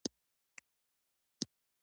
ځينې به په پښو او ځينې پر بایسکلونو ګرځېدل.